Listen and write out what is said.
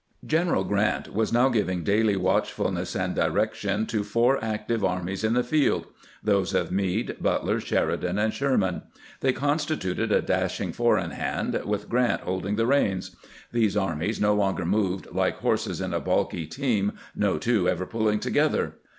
G eneral Grant was now giving daily watchfulness and direction to four active armies in the field — those of Meade, Butler, Sheridan, and Sherman. They consti tuted a dashing four in hand, with Grant holding the reins. These armies no longer moved " like horses in a balky team, no two ever pulling together."